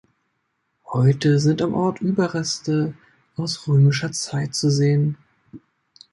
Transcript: Heute sind am Ort Überreste aus römischer Zeit zu sehen.